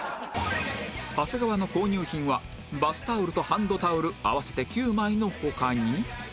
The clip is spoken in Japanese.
長谷川の購入品はバスタオルとハンドタオル合わせて９枚の他に